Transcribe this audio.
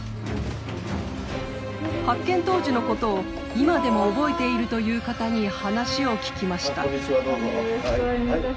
発見当時のことを今でも覚えているという方に話を聞きました。